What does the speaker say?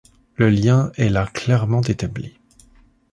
Le lien est là clairement établi.